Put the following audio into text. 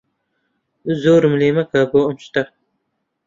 زۆرم لێ مەکە بۆ ئەم شتە.